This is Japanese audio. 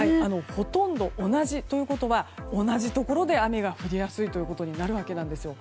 ほとんど同じ。ということは、同じところで雨が降りやすいということになるわけなんですよ。